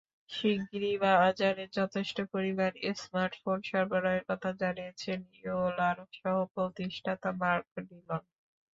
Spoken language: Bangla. শিগগিরই বাজারে যথেষ্ট পরিমাণ স্মার্টফোন সরবরাহের কথা জানিয়েছেন ইয়োলার সহ-প্রতিষ্ঠাতা মার্ক ডিলন।